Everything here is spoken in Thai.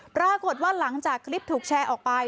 ปรากฏว่าหลังจากคลิปถูกแชร์ออกไป